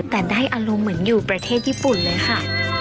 แต่ได้อารมณ์เหมือนอยู่ประเทศญี่ปุ่นเลยค่ะ